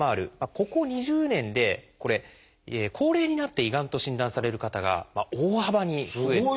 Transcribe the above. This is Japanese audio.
ここ２０年で高齢になって胃がんと診断される方が大幅に増えているんです。